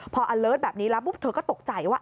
พอแบบนี้แล้วเธอก็ตกใจว่า